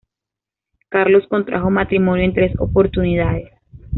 Carlos contrajo matrimonio en tres oportunidades.